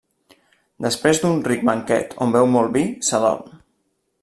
Després d'un ric banquet on beu molt vi, s'adorm.